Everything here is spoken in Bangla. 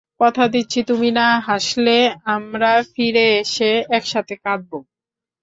কথা দিচ্ছি, তুমি না হাসলে, আমরা ফিরে এসে একসাথে কাঁদব।